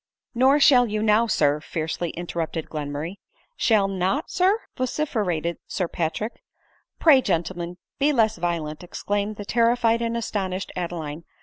" Nor shall you now, Sir," fiercely interrupted Glen murray. " Shall not, Sir ?" vociferated Sir Patrick. " Pray, gentlemen, be less violent," exclaimed the terrified and astonished Adeline.